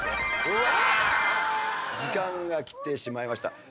時間が来てしまいました。